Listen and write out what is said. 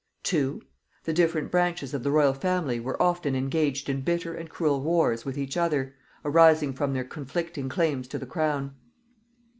2. The different branches of the royal family were often engaged in bitter and cruel wars with each other, arising from their conflicting claims to the crown.